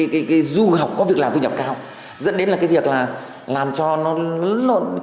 cái du học có việc làm thu nhập cao dẫn đến là cái việc là làm cho nó